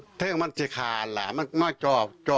อันนี้เป็นคำกล่าวอ้างของทางฝั่งของพ่อตาที่เป็นผู้ต้องหานะ